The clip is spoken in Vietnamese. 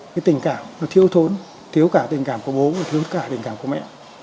cái tình cảm nó thiếu thốn thiếu cả tình cảm của bố thiếu cả tình cảm của mẹ